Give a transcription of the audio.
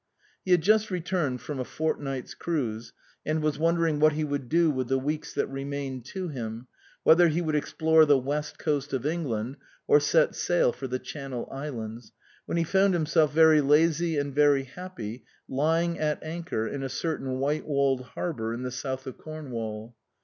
He had just returned from a fortnight's cruise, and was wondering what he would do with the weeks that remained to him whether he would explore the west coast of England, or set sail for the Channel Islands when he found himself, very lazy arid very happy, lying at anchor in a certain white walled harbour in the south of Cornwall.